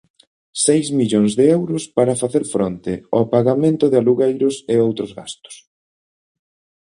Seis millóns de euros para facer fronte ao pagamento de alugueiros e outros gastos.